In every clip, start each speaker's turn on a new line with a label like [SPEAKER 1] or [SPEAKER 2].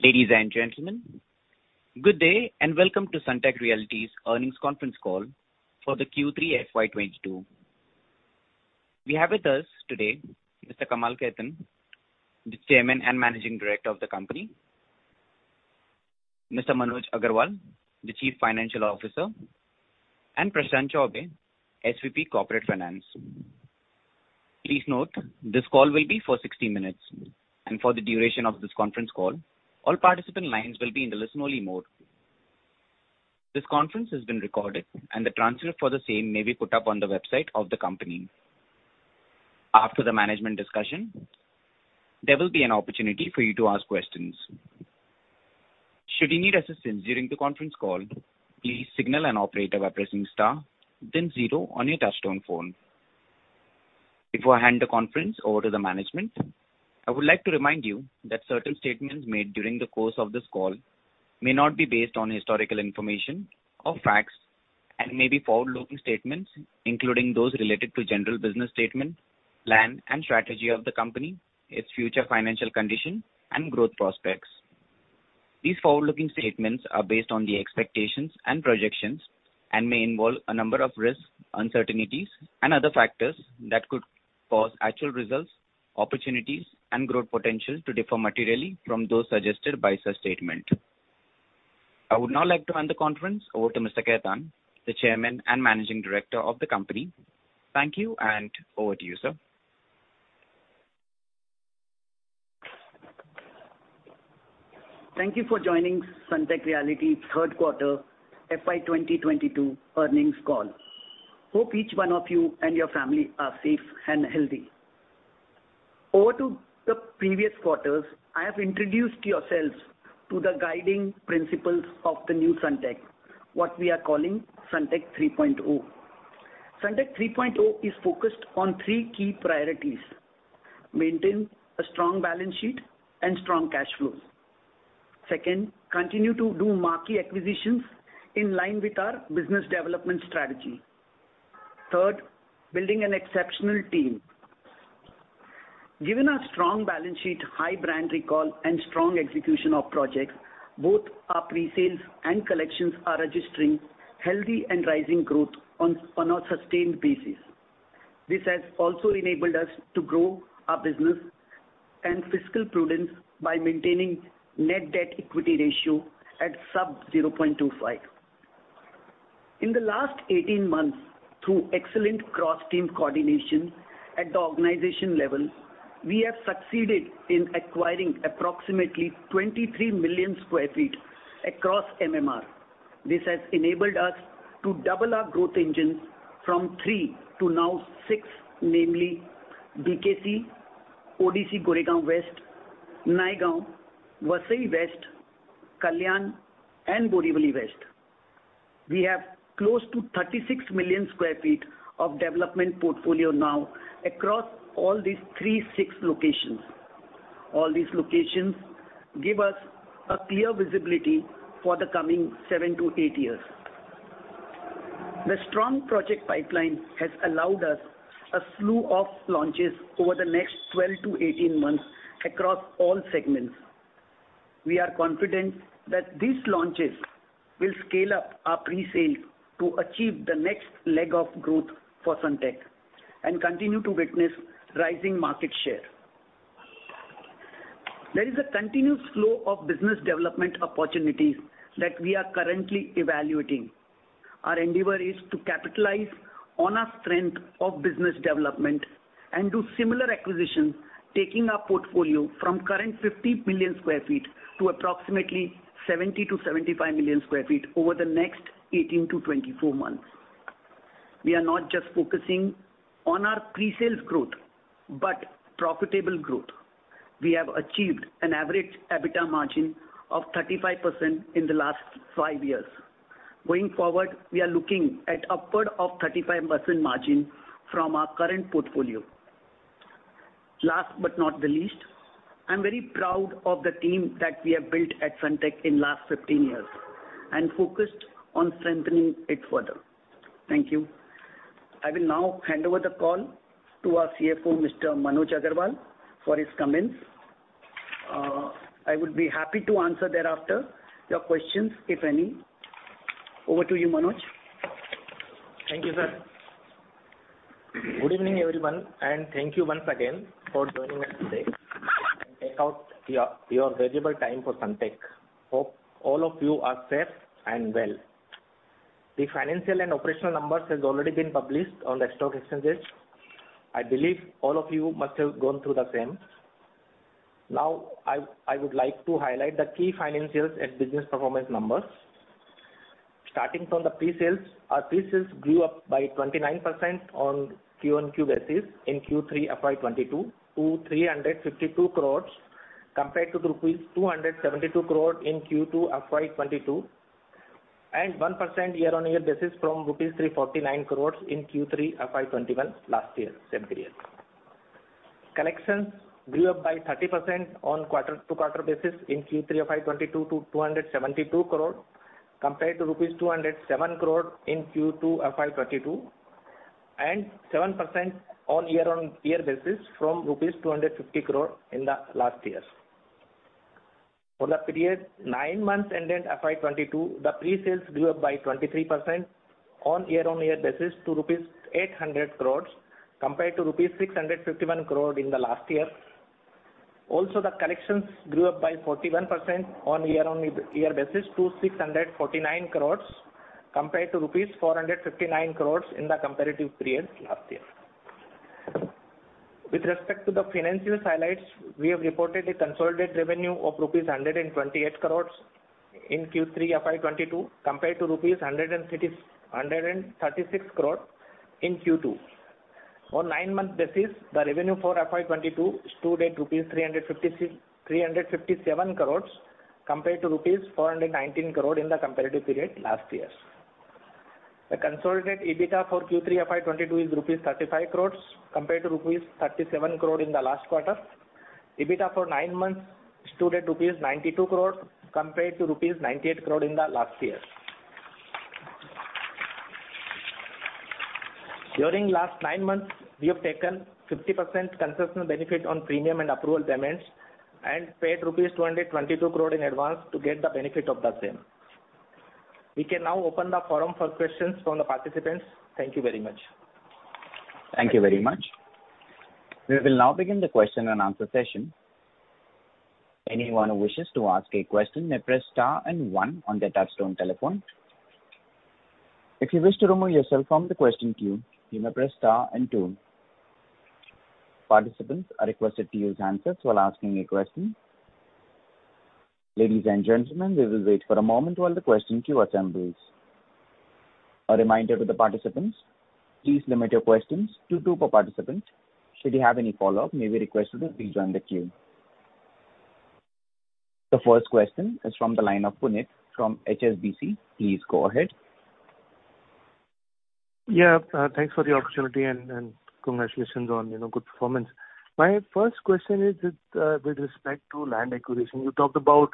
[SPEAKER 1] Ladies and gentlemen, good day, and welcome to Sunteck Realty's earnings conference call for the Q3 FY 2022. We have with us today Mr. Kamal Khetan, the Chairman and Managing Director of the company, Mr. Manoj Agarwal, the Chief Financial Officer, and Prashant Chaubey, SVP Corporate Finance. Please note, this call will be for 60 minutes. For the duration of this conference call, all participant lines will be in the listen-only mode. This conference has been recorded, and the transcript for the same may be put up on the website of the company. After the management discussion, there will be an opportunity for you to ask questions. Should you need assistance during the conference call, please signal an operator by pressing star then zero on your touchtone phone. Before I hand the conference over to the management, I would like to remind you that certain statements made during the course of this call may not be based on historical information or facts and may be forward-looking statements, including those related to general business statement, plan and strategy of the company, its future financial condition, and growth prospects. These forward-looking statements are based on the expectations and projections and may involve a number of risks, uncertainties, and other factors that could cause actual results, opportunities, and growth potential to differ materially from those suggested by such statement. I would now like to hand the conference over to Mr. Khetan, the Chairman and Managing Director of the company. Thank you, and over to you, sir.
[SPEAKER 2] Thank you for joining Sunteck Realty Q3 FY 2022 earnings call. Hope each one of you and your family are safe and healthy. Over the previous quarters, I have introduced you to the guiding principles of the new Sunteck, what we are calling Sunteck 3.0. Sunteck 3.0 is focused on three key priorities. Maintain a strong balance sheet and strong cash flows. Second, continue to do marquee acquisitions in line with our business development strategy. Third, building an exceptional team. Given our strong balance sheet, high brand recall, and strong execution of projects, both our pre-sales and collections are registering healthy and rising growth on a sustained basis. This has also enabled us to grow our business and fiscal prudence by maintaining net debt equity ratio at sub 0.25. In the last 18 months, through excellent cross-team coordination at the organization level, we have succeeded in acquiring approximately 23 million sq ft across MMR. This has enabled us to double our growth engines from 3 to now 6, namely BKC, ODC Goregaon West, Naigaon, Vasai West, Kalyan, and Borivali West. We have close to 36 million sq ft of development portfolio now across all these 3, 6 locations. All these locations give us a clear visibility for the coming 7-8 years. The strong project pipeline has allowed us a slew of launches over the next 12-18 months across all segments. We are confident that these launches will scale up our pre-sale to achieve the next leg of growth for Sunteck and continue to witness rising market share. There is a continuous flow of business development opportunities that we are currently evaluating. Our endeavor is to capitalize on our strength of business development and do similar acquisitions, taking our portfolio from current 50 million sq ft to approximately 70 million-75 million sq ft over the next 18-24 months. We are not just focusing on our pre-sales growth but profitable growth. We have achieved an average EBITDA margin of 35% in the last five years. Going forward, we are looking at upward of 35% margin from our current portfolio. Last but not the least, I'm very proud of the team that we have built at Sunteck in last 15 years, and focused on strengthening it further. Thank you. I will now hand over the call to our CFO, Mr. Manoj Agarwal, for his comments. I would be happy to answer thereafter your questions, if any. Over to you, Manoj.
[SPEAKER 3] Thank you, sir. Good evening, everyone, and thank you once again for joining us today, and take out your valuable time for Sunteck. Hope all of you are safe and well. The financial and operational numbers has already been published on the stock exchanges. I believe all of you must have gone through the same. Now, I would like to highlight the key financials and business performance numbers. Starting from the pre-sales. Our pre-sales grew up by 29% on Q-on-Q basis in Q3 FY 2022 to 352 crore compared to rupees 272 crore in Q2 FY 2022, and 1% year-on-year basis from rupees 349 crore in Q3 FY 2021 last year, same period. Collections grew up by 30% on quarter-to-quarter basis in Q3 FY 2022 to 272 crore, compared to rupees 207 crore in Q2 FY 2022. 7% on year-on-year basis from rupees 250 crore in the last year. For the period 9 months ended FY 2022, the pre-sales grew up by 23% on year-on-year basis to rupees 800 crore compared to rupees 651 crore in the last year. Also, the collections grew up by 41% on year-on-year basis to 649 crore, compared to rupees 459 crore in the comparative period last year. With respect to the financial highlights, we have reported a consolidated revenue of rupees 128 crore in Q3 FY 2022 compared to rupees 136 crore in Q2. On 9-month basis, the revenue for FY 2022 stood at rupees 357 crore compared to rupees 419 crore in the comparative period last year. The consolidated EBITDA for Q3 FY 2022 is rupees 35 crore compared to rupees 37 crore in the last quarter. EBITDA for 9 months stood at rupees 92 crore compared to rupees 98 crore in the last year. During last 9 months, we have taken 50% concession benefit on premium and approval payments and paid rupees 222 crore in advance to get the benefit of the same. We can now open the forum for questions from the participants. Thank you very much.
[SPEAKER 1] Thank you very much. We will now begin the question and answer session. Anyone who wishes to ask a question may press star and one on their touchtone telephone. If you wish to remove yourself from the question queue, you may press star and two. Participants are requested to use handsets while asking a question. Ladies and gentlemen, we will wait for a moment while the question queue assembles. A reminder to the participants, please limit your questions to two per participant. Should you have any follow-up, may we request you to please join the queue. The first question is from the line of Puneet from HSBC. Please go ahead.
[SPEAKER 4] Yeah, thanks for the opportunity and congratulations on, you know, good performance. My first question is, with respect to land acquisition. You talked about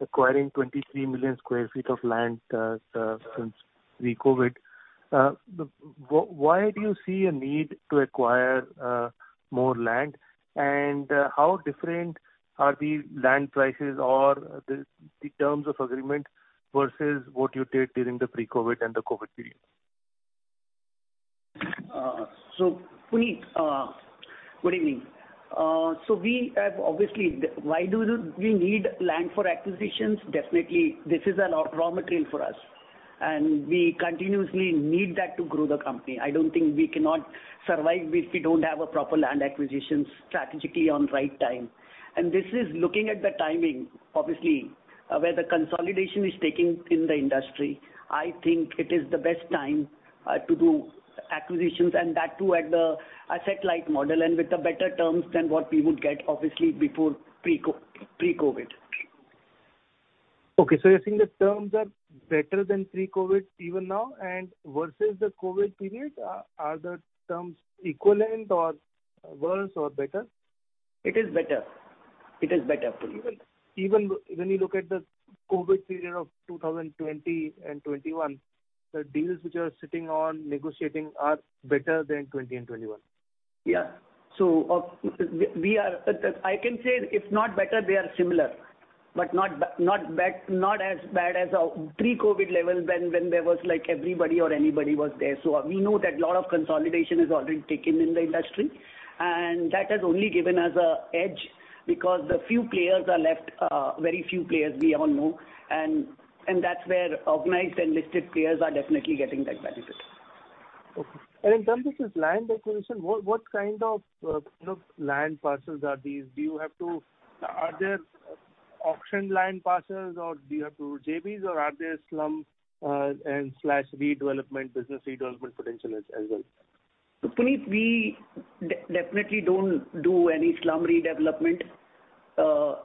[SPEAKER 4] acquiring 23 million sq ft of land since pre-COVID. Why do you see a need to acquire more land? And how different are the land prices or the terms of agreement versus what you did during the pre-COVID and the COVID period?
[SPEAKER 2] Puneet, good evening. Why do we need land for acquisitions? Definitely, this is a raw material for us, and we continuously need that to grow the company. I don't think we cannot survive if we don't have a proper land acquisitions strategically on right time. This is looking at the timing, obviously, where the consolidation is taking place in the industry. I think it is the best time to do acquisitions and that too at the asset light model and with the better terms than what we would get, obviously, before pre-COVID.
[SPEAKER 4] Okay. So you're saying the terms are better than pre-COVID even now? Versus the COVID period, are the terms equivalent or worse or better?
[SPEAKER 2] It is better. It is better for you.
[SPEAKER 4] Even when you look at the COVID period of 2020 and 2021, the deals which you are sitting on negotiating are better than 2020 and 2021?
[SPEAKER 2] Yeah. We are. I can say if not better, they are similar, but not bad, not as bad as pre-COVID levels when there was like everybody or anybody was there. We know that lot of consolidation has already taken in the industry, and that has only given us a edge because the few players are left, very few players we all know and that's where organized and listed players are definitely getting that benefit.
[SPEAKER 4] Okay. In terms of this land acquisition, what kind of, you know, land parcels are these? Are there auction land parcels, or do you have to JVs or are there slum and slash redevelopment, business redevelopment potential as well?
[SPEAKER 2] Puneet, we definitely don't do any slum redevelopment,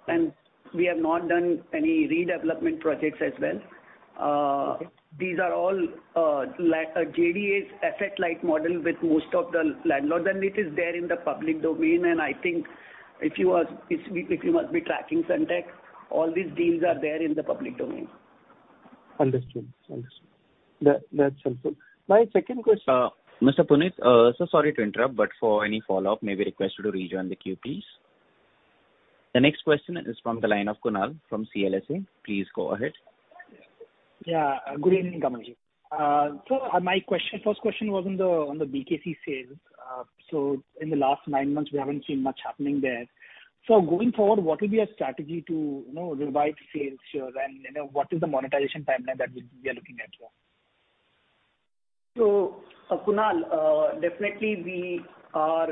[SPEAKER 2] and we have not done any redevelopment projects as well. These are all JDA's asset light model with most of the landlords, and it is there in the public domain. I think if you must be tracking Sunteck, all these deals are there in the public domain.
[SPEAKER 4] Understood. That's helpful. My second question-
[SPEAKER 1] Mr. Puneet, so sorry to interrupt, but for any follow-up, may we request you to rejoin the queue, please. The next question is from the line of Kunal from CLSA. Please go ahead.
[SPEAKER 5] Yeah, good evening, Kamalji. My first question was on the BKC sales. In the last 9 months, we haven't seen much happening there. Going forward, what will be your strategy to, you know, revive sales here and, you know, what is the monetization timeline that we are looking at for?
[SPEAKER 2] Kunal, definitely we are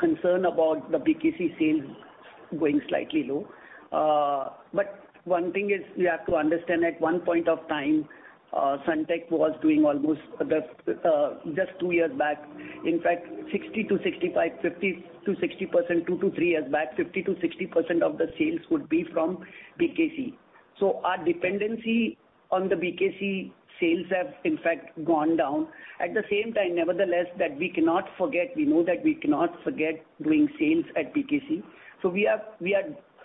[SPEAKER 2] concerned about the BKC sales going slightly low. One thing is you have to understand at one point of time, Sunteck was doing almost the just two years back, in fact, 60%-65%, 50%-60%, 2-3 years back, 50%-60% of the sales would be from BKC. Our dependency on the BKC sales have in fact gone down. At the same time, nevertheless, we know that we cannot forget doing sales at BKC. We are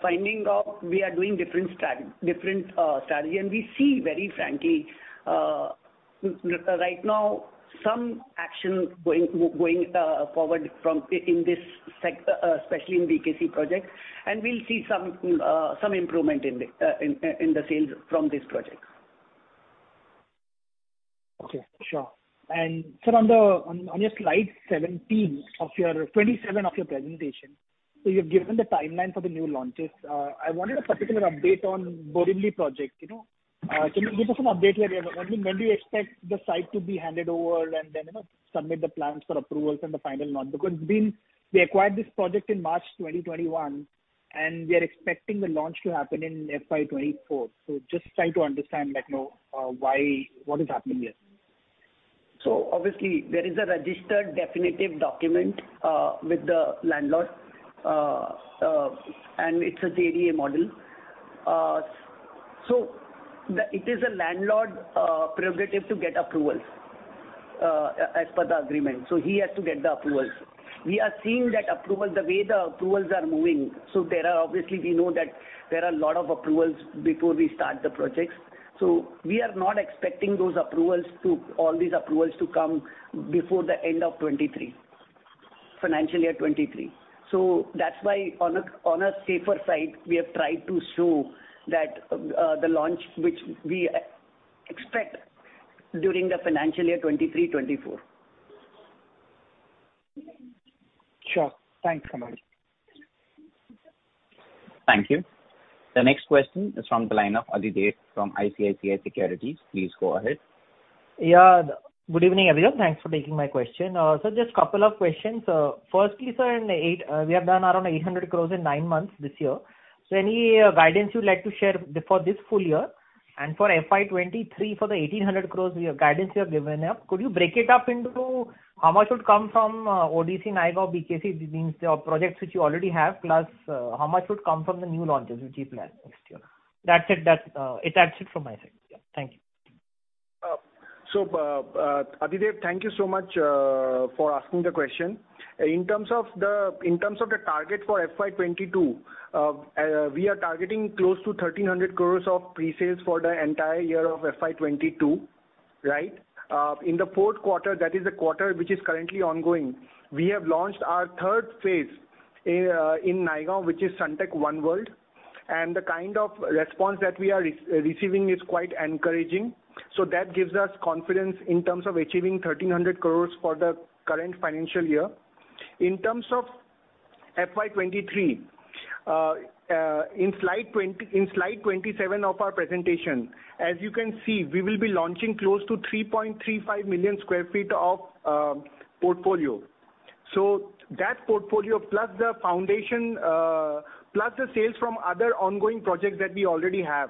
[SPEAKER 2] finding out we are doing different strategy, and we see very frankly right now some action going forward in this sector especially in BKC project, and we'll see some improvement in the sales from this project.
[SPEAKER 5] Okay. Sure. Sir, on your slide 17 of your 27 presentation, you've given the timeline for the new launches. I wanted a particular update on Borivali project, you know. Can you give us an update where we are? When do you expect the site to be handed over and then, you know, submit the plans for approvals and the final launch? Because it's been. We acquired this project in March 2021, and we are expecting the launch to happen in FY 2024. Just trying to understand, like, you know, what is happening here.
[SPEAKER 2] Obviously, there is a registered definitive document with the landlord. It's a JDA model. It is a landlord prerogative to get approvals as per the agreement. He has to get the approvals. We are seeing the approvals, the way the approvals are moving. There are obviously a lot of approvals before we start the projects, as we know. We are not expecting all these approvals to come before the end of 2023, financial year 2023. That's why on a safer side, we have tried to show that the launch which we expect during the financial year 2023-2024.
[SPEAKER 5] Sure. Thanks, Kamal.
[SPEAKER 1] Thank you. The next question is from the line of Adhidev from ICICI Securities. Please go ahead.
[SPEAKER 6] Yeah. Good evening, everyone. Thanks for taking my question. Just couple of questions. Firstly, sir, we have done around 800 crore in 9 months this year. Any guidance you'd like to share for this full year? For FY 2023, for the 1,800 crore guidance you have given up, could you break it up into how much would come from ODC, Naigaon, BKC, these projects which you already have, plus how much would come from the new launches which you plan next year? That's it from my side. Yeah. Thank you.
[SPEAKER 2] Adhidev, thank you so much for asking the question. In terms of the target for FY 2022, we are targeting close to 1,300 crore of pre-sales for the entire year of FY 2022, right? In the Q4, that is the quarter which is currently ongoing, we have launched our third phase in Naigaon, which is Sunteck One World. The kind of response that we are receiving is quite encouraging. That gives us confidence in terms of achieving 1,300 crore for the current financial year. In terms of FY 2023, in slide 27 of our presentation, as you can see, we will be launching close to 3.35 million sq ft of portfolio. That portfolio plus the foundation, plus the sales from other ongoing projects that we already have,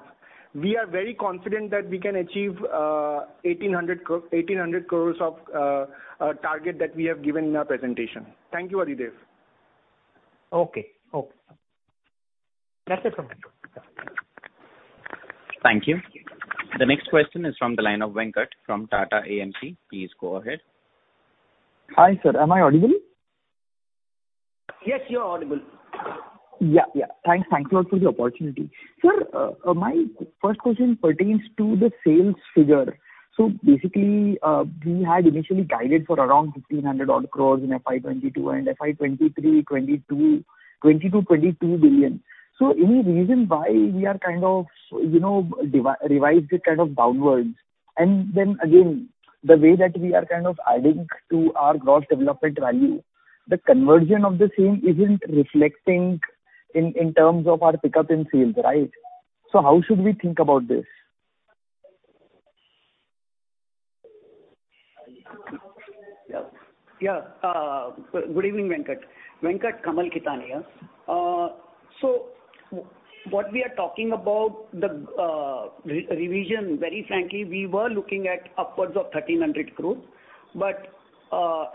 [SPEAKER 2] we are very confident that we can achieve 1,800 crore target that we have given in our presentation. Thank you, Adhidev.
[SPEAKER 6] Okay. Okay. That's it from my end.
[SPEAKER 1] Thank you. The next question is from the line of Venkat from Tata AMC. Please go ahead.
[SPEAKER 7] Hi, sir. Am I audible?
[SPEAKER 2] Yes, you are audible.
[SPEAKER 7] Yeah, yeah. Thanks a lot for the opportunity. Sir, my first question pertains to the sales figure. Basically, we had initially guided for around 1,500 odd crores in FY 2022 and FY 2023, 20-22 billion. Any reason why we are kind of, you know, revised it kind of downwards? Then again, the way that we are kind of adding to our gross development value, the conversion of the same isn't reflecting in terms of our pickup in sales, right? How should we think about this?
[SPEAKER 2] Yeah. Good evening, Venkat. Venkat, Kamal Khetan here. What we are talking about the revision, very frankly, we were looking at upwards of 1,300 crore.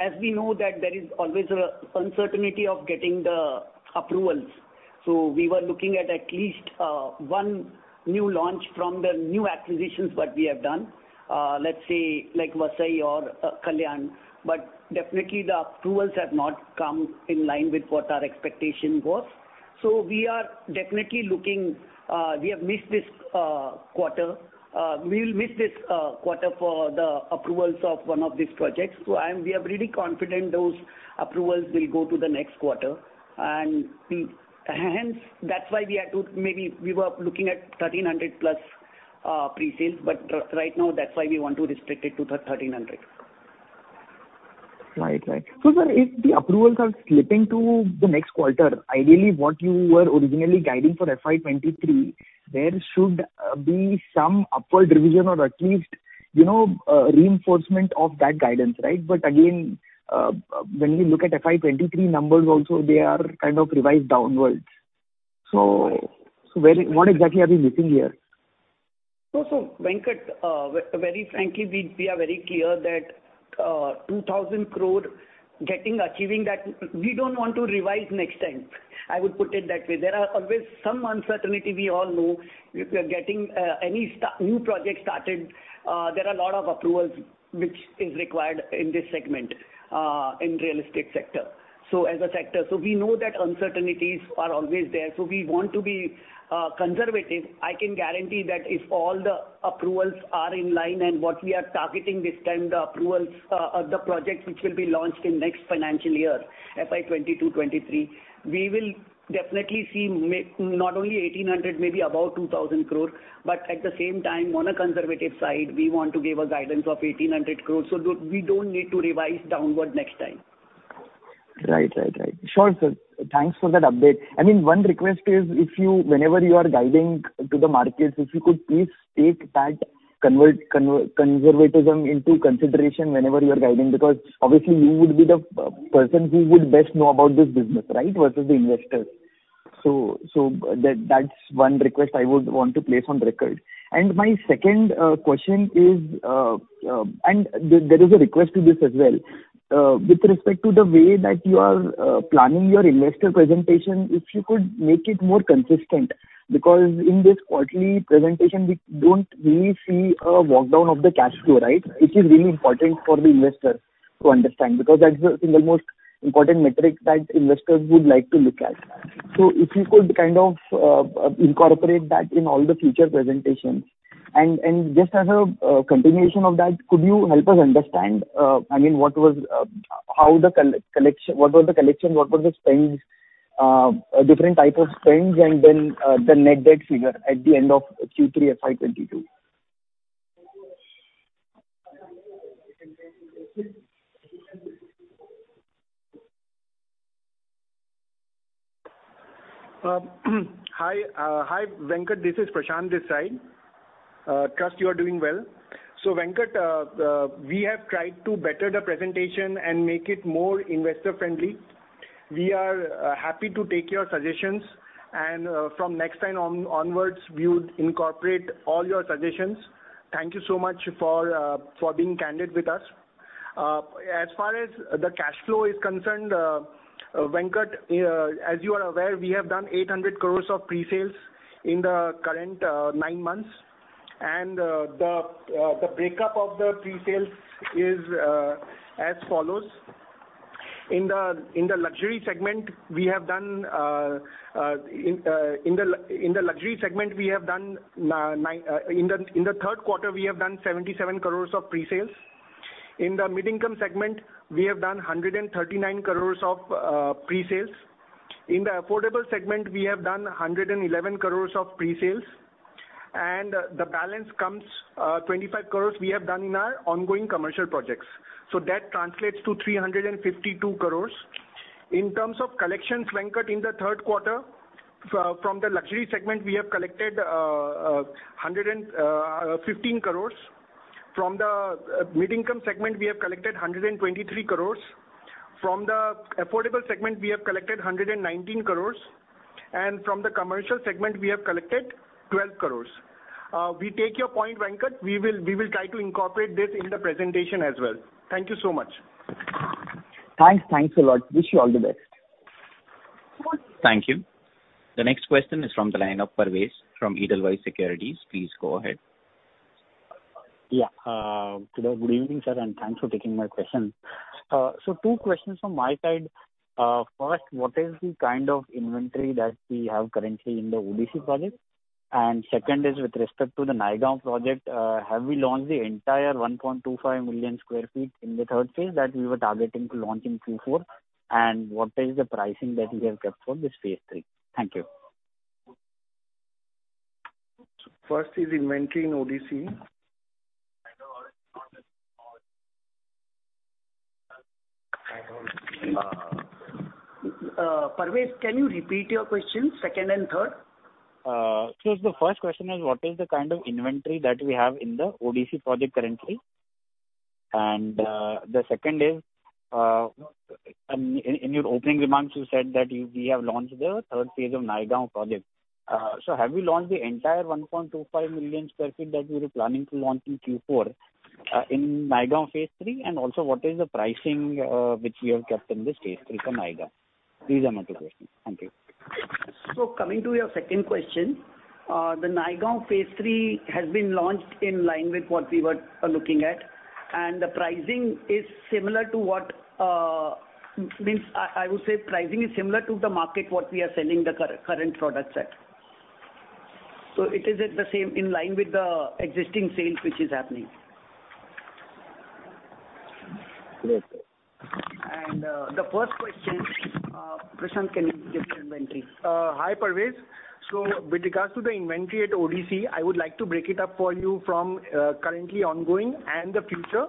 [SPEAKER 2] As we know that there is always an uncertainty of getting the approvals. We were looking at least one new launch from the new acquisitions what we have done, let's say like Vasai or Kalyan. Definitely the approvals have not come in line with what our expectation was. We are definitely looking, we have missed this quarter. We'll miss this quarter for the approvals of one of these projects. We are really confident those approvals will go to the next quarter. We... Hence, that's why we had to, maybe we were looking at 1,300+ pre-sales, but right now that's why we want to restrict it to 1,300.
[SPEAKER 7] Right. Sir, if the approvals are slipping to the next quarter, ideally what you were originally guiding for FY 2023, there should be some upward revision or at least, you know, reinforcement of that guidance, right? Again, when we look at FY 2023 numbers also, they are kind of revised downwards. Where, what exactly are we missing here?
[SPEAKER 2] No, Venkat, very frankly, we are very clear that 2,000 crore getting achieving that, we don't want to revise next time. I would put it that way. There are always some uncertainty we all know. If we are getting any new project started, there are a lot of approvals which is required in this segment, in real estate sector. As a sector. We know that uncertainties are always there, we want to be conservative. I can guarantee that if all the approvals are in line and what we are targeting this time, the approvals, the projects which will be launched in next financial year, FY 2022/2023, we will definitely see not only 1,800, maybe about 2,000 crore. At the same time, on a conservative side, we want to give a guidance of 1,800 crore, so we don't need to revise downward next time.
[SPEAKER 7] Right. Sure, sir. Thanks for that update. I mean, one request is whenever you are guiding to the markets, if you could please take that conservatism into consideration whenever you are guiding, because obviously you would be the person who would best know about this business, right? Versus the investors. That's one request I would want to place on record. My second question is, and there is a request to this as well. With respect to the way that you are planning your investor presentation, if you could make it more consistent, because in this quarterly presentation, we don't really see a walk down of the cash flow, right? Which is really important for the investor to understand, because that's the single most important metric that investors would like to look at. If you could kind of incorporate that in all the future presentations. Just as a continuation of that, could you help us understand, I mean, how the collections, what were the collections, what were the spends, different type of spends, and then the net debt figure at the end of Q3 FY 2022?
[SPEAKER 8] Hi, Venkat, this is Prashant this side. Trust you are doing well. Venkat, we have tried to better the presentation and make it more investor friendly. We are happy to take your suggestions and from next time onwards, we would incorporate all your suggestions. Thank you so much for being candid with us. As far as the cash flow is concerned, Venkat, as you are aware, we have done 800 crore of pre-sales in the current 9 months. The break-up of the pre-sales is as follows. In the luxury segment, in the Q3, we have done 77 crore of pre-sales. In the mid-income segment, we have done 139 crores of pre-sales. In the affordable segment, we have done 111 crores of pre-sales. The balance comes, 25 crores we have done in our ongoing commercial projects. That translates to 352 crores. In terms of collections, Venkat, in the Q3, from the luxury segment, we have collected 115 crores. From the mid-income segment, we have collected 123 crores. From the affordable segment, we have collected 119 crores. From the commercial segment, we have collected 12 crores. We take your point, Venkat. We will try to incorporate this in the presentation as well. Thank you so much.
[SPEAKER 7] Thanks. Thanks a lot. Wish you all the best.
[SPEAKER 2] Thank you.
[SPEAKER 1] The next question is from the line of Parvez from Edelweiss Securities. Please go ahead.
[SPEAKER 9] Yeah. Good evening, sir, and thanks for taking my question. Two questions from my side. First, what is the kind of inventory that we have currently in the ODC project? Second is with respect to the Naigaon project, have we launched the entire 1.25 million sq ft in the third phase that we were targeting to launch in Q4? And what is the pricing that we have kept for this phase three? Thank you.
[SPEAKER 8] First is inventory in ODC.
[SPEAKER 2] Parvez, can you repeat your question, second and third?
[SPEAKER 9] The first question is what is the kind of inventory that we have in the ODC project currently? The second is, in your opening remarks, you said that we have launched the third phase of Naigaon project. Have you launched the entire 1.25 million sq ft that you were planning to launch in Q4, in Naigaon phase three? And also what is the pricing, which you have kept in this phase three for Naigaon? These are my two questions. Thank you.
[SPEAKER 2] Coming to your second question, the Naigaon Phase 3 has been launched in line with what we were looking at. The pricing is similar, I would say, to the market, what we are selling the current products at. It is at the same, in line with the existing sales which is happening.
[SPEAKER 9] Great.
[SPEAKER 2] The first question, Prashant, can you give the inventory?
[SPEAKER 8] Hi, Parvez. With regards to the inventory at ODC, I would like to break it up for you from currently ongoing and the future.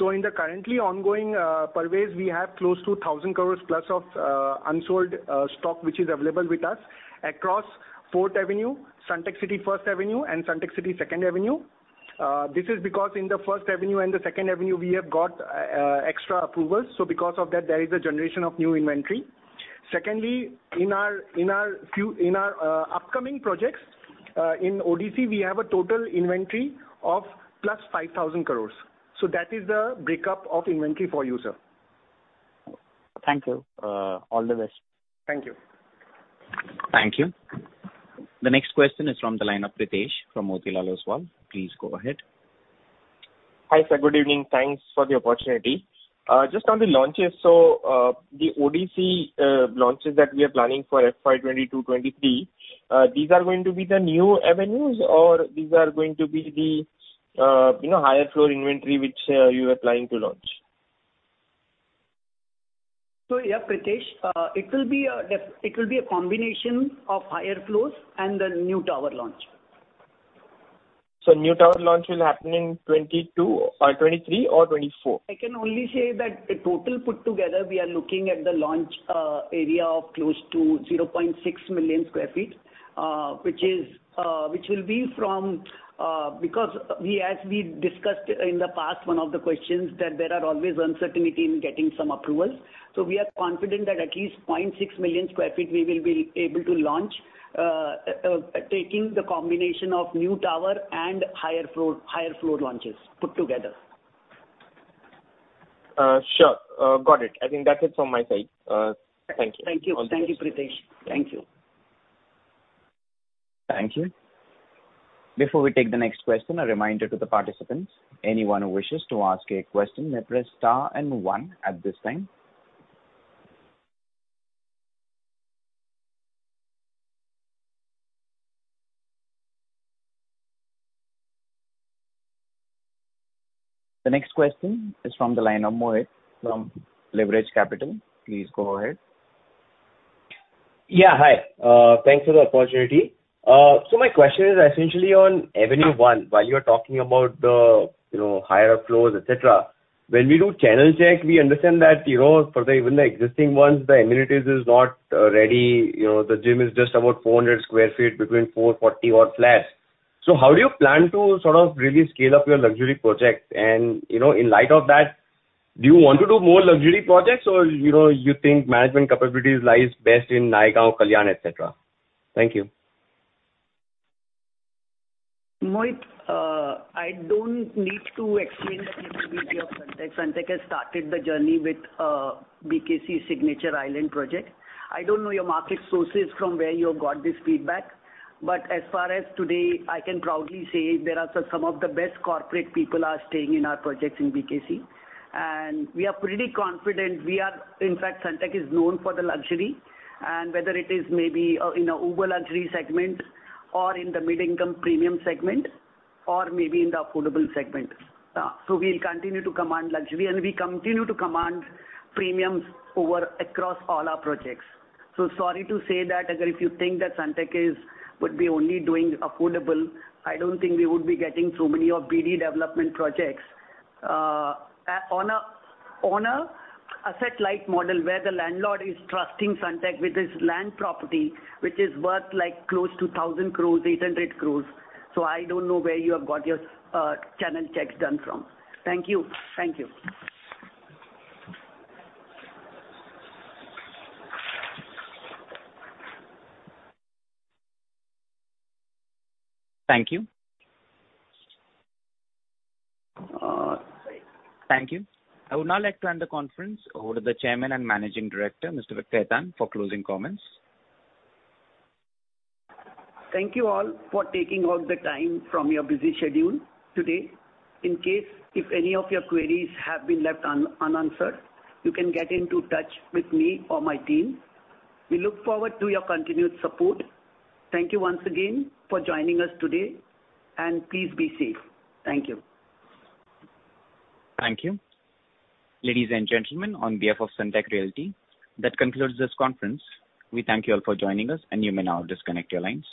[SPEAKER 8] In the currently ongoing, Parvez, we have close to 1,000 crores plus of unsold stock which is available with us across SunteckCity 4th Avenue, SunteckCity 1st Avenue and SunteckCity 2nd Avenue. This is because in the 1st Avenue and the 2nd Avenue we have got extra approvals. Because of that, there is a generation of new inventory. Secondly, in our upcoming projects in ODC, we have a total inventory of plus 5,000 crores. That is the breakup of inventory for you, sir.
[SPEAKER 9] Thank you. All the best.
[SPEAKER 2] Thank you.
[SPEAKER 1] Thank you. The next question is from the line of Pritesh from Motilal Oswal. Please go ahead.
[SPEAKER 10] Hi, sir. Good evening. Thanks for the opportunity. Just on the launches. The ODC launches that we are planning for FY 2022, 2023, these are going to be the new avenues or these are going to be the, you know, higher floor inventory which you are planning to launch?
[SPEAKER 2] Yeah, Pritesh, it will be a combination of higher floors and the new tower launch.
[SPEAKER 10] New tower launch will happen in 2022 or 2023 or 2024?
[SPEAKER 2] I can only say that the total put together, we are looking at the launch area of close to 0.6 million sq ft, which will be from because we, as we discussed in the past one of the questions, that there are always uncertainty in getting some approvals. We are confident that at least 0.6 million sq ft we will be able to launch, taking the combination of new tower and higher floor launches put together.
[SPEAKER 10] Sure. Got it. I think that's it from my side. Thank you.
[SPEAKER 2] Thank you. Thank you, Pritesh. Thank you.
[SPEAKER 1] Thank you. Before we take the next question, a reminder to the participants, anyone who wishes to ask a question may press star and one at this time. The next question is from the line of Mohit from Leverage Capital. Please go ahead.
[SPEAKER 11] Yeah, hi. Thanks for the opportunity. My question is essentially on Avenue One, while you're talking about the, you know, higher floors, etc. When we do channel check, we understand that, you know, for even the existing ones, the amenities is not ready. You know, the gym is just about 400 sq ft between 440-odd flats. How do you plan to sort of really scale up your luxury projects? In light of that, do you want to do more luxury projects? Or, you know, you think management capabilities lies best in Naigaon, Kalyan, etc.? Thank you.
[SPEAKER 2] Mohit, I don't need to explain the credibility of Sunteck. Sunteck has started the journey with BKC Signature Island project. I don't know your market sources from where you have got this feedback, but as of today, I can proudly say there are some of the best corporate people staying in our projects in BKC. We are pretty confident. In fact, Sunteck is known for the luxury and whether it is maybe in a uber-luxury segment or in the mid-income premium segment or maybe in the affordable segment. We'll continue to command luxury and we continue to command premiums across all our projects. Sorry to say that, if you think that Sunteck would be only doing affordable, I don't think we would be getting so many BD development projects on an asset light model where the landlord is trusting Sunteck with his land property, which is worth like close to 1,000 crores, 800 crores. I don't know where you have got your channel checks done from. Thank you. Thank you.
[SPEAKER 1] Thank you. Thank you. I would now like to hand the conference over to the Chairman and Managing Director, Mr. Kamal Khetan, for closing comments.
[SPEAKER 2] Thank you all for taking out the time from your busy schedule today. In case if any of your queries have been left unanswered, you can get in touch with me or my team. We look forward to your continued support. Thank you once again for joining us today, and please be safe. Thank you.
[SPEAKER 1] Thank you. Ladies and gentlemen, on behalf of Sunteck Realty, that concludes this conference. We thank you all for joining us, and you may now disconnect your lines.